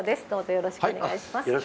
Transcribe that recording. よろしくお願いします。